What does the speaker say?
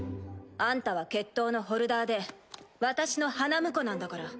あんたは決闘のホルダーで私の花婿なんだから。